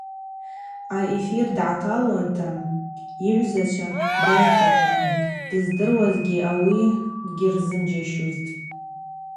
Аэфир дталуанта йыгӏвзачва драйхӏвахӏвуан, дыздырквузгьи ауи дгьырзыджьамщузтӏ.